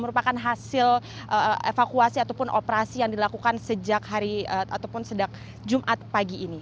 merupakan hasil evakuasi ataupun operasi yang dilakukan sejak hari ataupun sejak jumat pagi ini